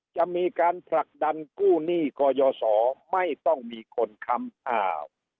จะมีการผลักดันกู้หนี้ก่อยสอไม่ต้องมีคนค้ำอ้าว